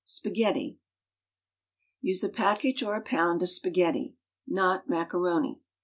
SPAGHETTI Use a package or a pound of spaghetti; not macaroni.